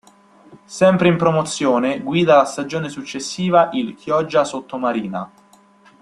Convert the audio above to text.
Sempre in Promozione guida la stagione successiva il Chioggia Sottomarina.